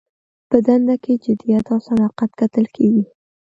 په دنده کې جدیت او صداقت کتل کیږي.